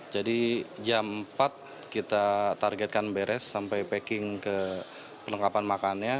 jadi jam empat kita targetkan beres sampai packing ke penengkapan makanannya